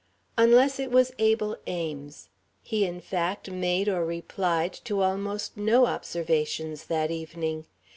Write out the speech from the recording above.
Unless it was Abel Ames. He, in fact, made or replied to almost no observations that evening.